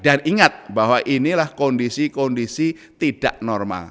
dan ingat bahwa inilah kondisi kondisi tidak normal